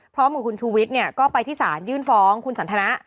พร้อมกับคุณชูวิทย์ก็ไปที่ศาลยื่นฟ้องคุณสันทนะ